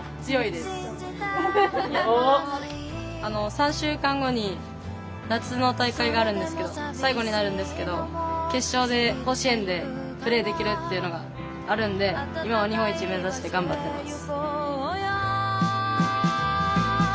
３週間後に夏の大会があるんですけど最後になるんですけど決勝で甲子園でプレーできるっていうのがあるんで今は日本一目指して頑張ってます。